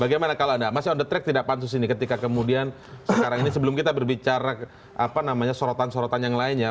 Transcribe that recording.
bagaimana kalau anda masih on the track tidak pansus ini ketika kemudian sekarang ini sebelum kita berbicara sorotan sorotan yang lainnya